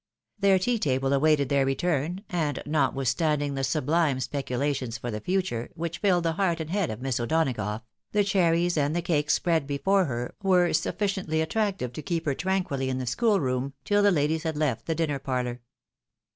Their tea table awaited their return, and, notwithstanding the sublime speculations for the future, which flUed the heart and head of Miss O'Donagough, the cherries and the cakes spread before her were sufficiently attractive to keep her tran quilly ia the school room, till the ladies had left the dinner parlour.